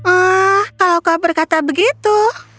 ah kalau kau berkata begitu